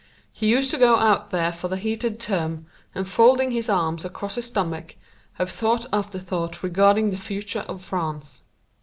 He used to go out there for the heated term, and folding his arms across his stomach, have thought after thought regarding the future of France.